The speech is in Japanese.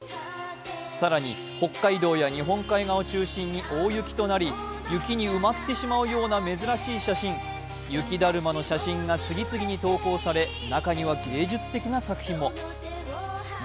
更に北海道や日本海側を中心に大雪となり、雪に埋まってしまうような珍しい写真、雪だるまの写真が次々に投稿され、中には芸術的な写真も。